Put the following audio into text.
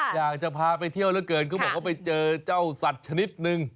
อยากจะพาไปเที่ยวเหลือเกินเขาบอกว่าไปเจอเจ้าสัตว์ชนิดนึง